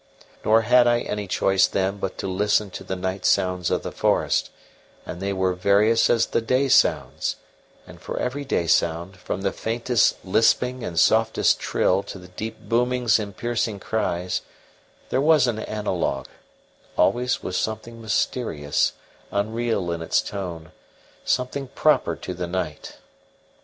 Nor had I any choice then but to listen to the night sounds of the forest; and they were various as the day sounds, and for every day sound, from the faintest lisping and softest trill to the deep boomings and piercing cries, there was an analogue; always with something mysterious, unreal in its tone, something proper to the night.